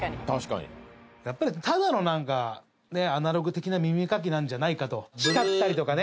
やっぱりただの何かアナログ的な耳かきなんじゃないかと光ったりとかね